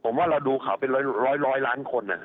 ผมว่าเราดูข่าวเป็นร้อยล้านคน